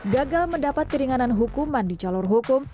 gagal mendapat keringanan hukuman di jalur hukum